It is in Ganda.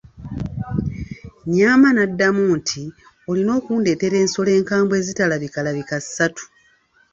Nyaama n'amuddamu nti, olina okundeetera ensolo enkambwe ezitalabikalabika ssatu